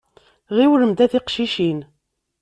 Ɣiwlemt a tiqcicin.